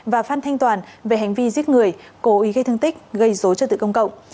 và phan thanh toàn về hành vi giết người cố ý gây thương tích gây dối cho tự công cộng